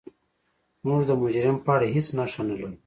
موږ د مجرم په اړه هیڅ نښه نلرو.